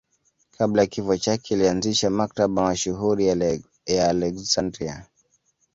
Kabla ya kifo chake alianzisha Maktaba mashuhuri ya Aleksandria.